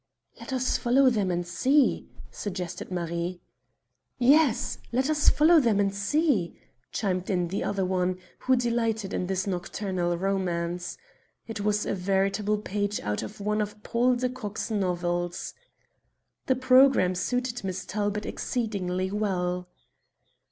"Let us follow them and see," suggested Marie. "Yes, let us follow them and see," chimed in the other one, who delighted in this nocturnal romance. It was a veritable page out of one of Paul de Kock's novels. The programme suited Miss Talbot exceedingly well.